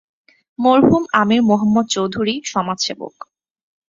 মরহুম আমির মোহাম্মদ চৌধুরীঃ-সমাজ সেবক।